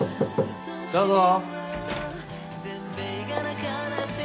どうぞ。